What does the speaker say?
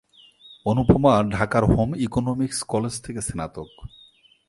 অনুপমা ঢাকার home economics college থেকে স্নাতক।